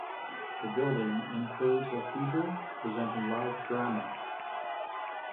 The building includes a theatre presenting live drama.